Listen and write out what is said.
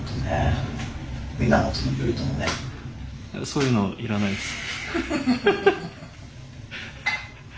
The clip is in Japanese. そういうのいらないです。